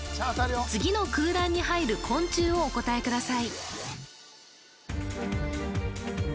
次の空欄に入る昆虫をお答えください